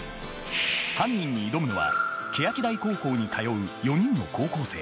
犯人に挑むのは欅台高校に通う４人の高校生。